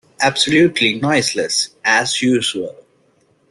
Absolutely noiseless, as usual.